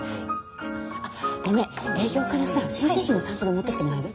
あっごめん営業からさ新製品のサンプル持ってきてもらえる？